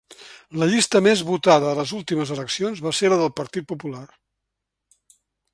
La llista més votada a les últimes eleccions va ser la del Partit Popular.